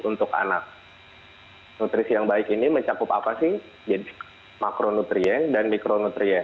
untuk anak nutrisi yang baik ini mencakup apa sih jadi makronutrien dan mikronutrien